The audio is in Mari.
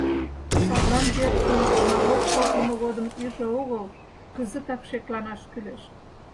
Садлан верчын налог шотлымо годым иже огыл, кызытак шекланаш кӱлеш.